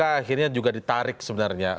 akhirnya juga ditarik sebenarnya